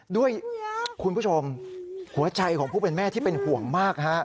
ด้วยคุณผู้ชมหัวใจของผู้เป็นแม่ที่เป็นห่วงมากฮะ